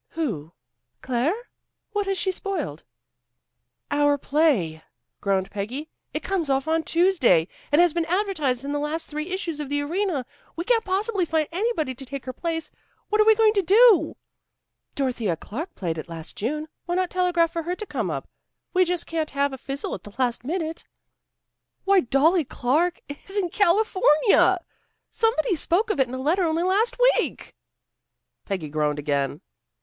"Who? Claire? What has she spoiled?" "Our play," groaned Peggy. "It comes off on Tuesday, and has been advertised in the last three issues of the Arena. We can't possibly find anybody to take her place. What are we going to do?" "Dorothea Clarke played it last June. Why not telegraph for her to come up. We just can't have a fizzle at the last minute." "Why, Dolly Clarke is in California! Somebody spoke of it in a letter only last week." Peggy groaned again.